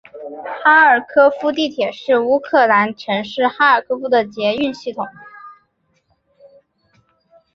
哈尔科夫地铁是乌克兰城市哈尔科夫的捷运系统。